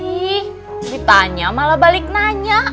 ih ditanya malah balik nanya